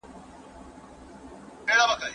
ساینس پوهان د ستورو د ژوند دورې په اړه وایي.